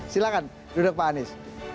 silahkan duduk pak anies